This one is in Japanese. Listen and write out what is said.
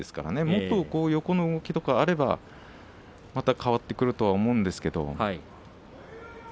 もっと横の動きとかあればまた変わってくると思うんですけれど。